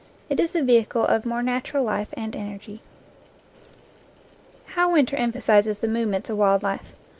It is the vehicle of more natural life and energy. How winter emphasizes the movements of wild life